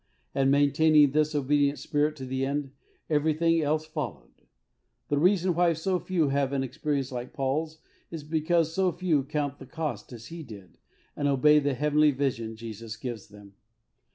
And, maintaining this obedient spirit to the end, everything else followed. The reason why so few have an experience like Paul's is because so few count the cost as he did, and obey the heavenly vision Jesus gives them.